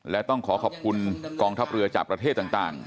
และต้องขอขอบคุณกองทัพเรือจากประเทศต่าง